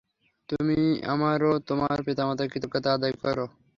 তুমি আমার ও তোমার পিতামাতার কৃতজ্ঞতা আদায় কর।